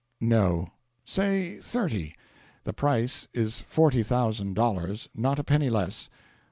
"No." "Say thirty." "The price is forty thousand dollars; not a penny less."